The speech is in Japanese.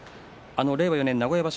令和４年名古屋場所